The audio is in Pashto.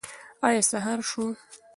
ایا سهار شو؟